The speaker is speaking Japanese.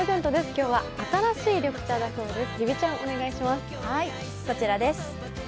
今日は新しい緑茶だそうです。